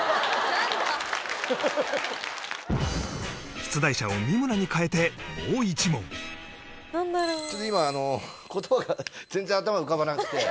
出題者を三村に代えてもう１問ちょっと今あの言葉が全然頭に浮かばなくて。